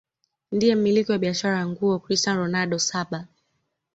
ndiye mmiliki wa biashara ya nguo ya cristian ronald saba